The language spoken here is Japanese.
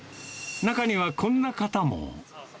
中にはこんな方も。